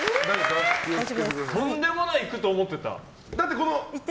とんでもなくいくと思ってた。